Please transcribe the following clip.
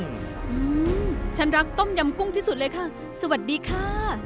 อืมฉันรักต้มยำกุ้งที่สุดเลยค่ะสวัสดีค่ะ